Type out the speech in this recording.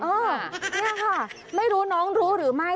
เนี่ยค่ะไม่รู้น้องรู้หรือไม่